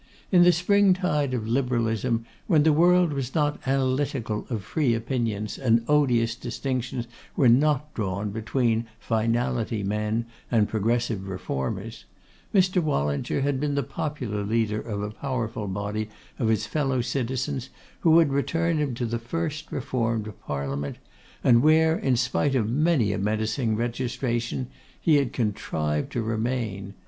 In the springtide of Liberalism, when the world was not analytical of free opinions, and odious distinctions were not drawn between Finality men and progressive Reformers, Mr. Wallinger had been the popular leader of a powerful body of his fellow citizens, who had returned him to the first Reformed Parliament, and where, in spite of many a menacing registration, he had contrived to remain.